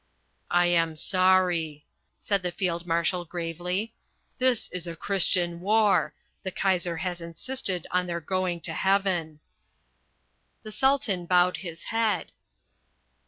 "I am sorry," said the Field Marshal gravely. "This is a Christian war. The Kaiser has insisted on their going to Heaven." The Sultan bowed his head.